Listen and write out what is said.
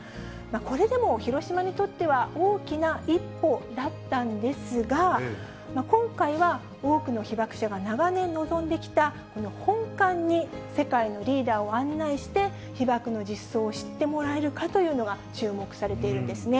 これでも、広島にとっては、大きな一歩だったんですが、今回は多くの被爆者が長年望んできた、この本館に世界のリーダーを案内して、被爆の実相を知ってもらえるかというのが注目されているんですね。